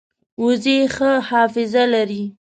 وزې ښه حافظه لري